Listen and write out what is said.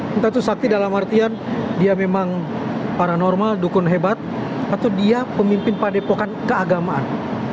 entah itu sakti dalam artian dia memang paranormal dukun hebat atau dia pemimpin padepokan keagamaan